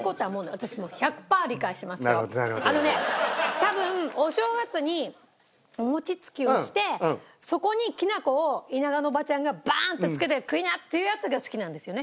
多分お正月にお餅つきをしてそこにきなこを田舎のおばちゃんがバーンって付けて「食いな！」っていうやつが好きなんですよね？